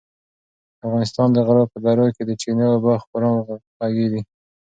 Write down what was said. د افغانستان د غرو په درو کې د چینو اوبه خورا خوږې دي.